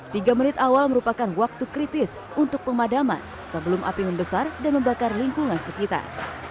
tiga menit awal merupakan waktu kritis untuk pemadaman sebelum api membesar dan membakar lingkungan sekitar